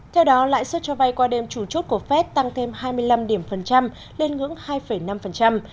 theo đó lãi suất cho vay qua đêm chủ chốt của phép tăng thêm hai mươi năm điểm phần trăm lên ngưỡng hai năm phần trăm